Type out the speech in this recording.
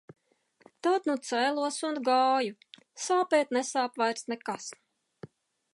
Tad nu cēlos un gāju. Sāpēt nesāp vairs nekas.